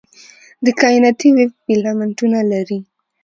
د کائناتي ویب فیلامنټونه لري.